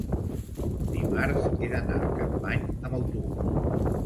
dimarts he d'anar a Capmany amb autobús.